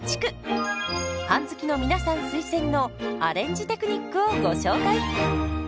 パン好きの皆さん推薦のアレンジテクニックをご紹介。